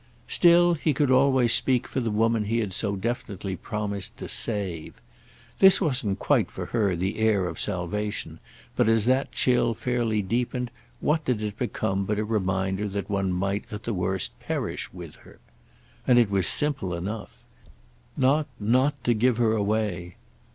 Still, he could always speak for the woman he had so definitely promised to "save." This wasn't quite for her the air of salvation; but as that chill fairly deepened what did it become but a reminder that one might at the worst perish with her? And it was simple enough—it was rudimentary: not, not to give her away.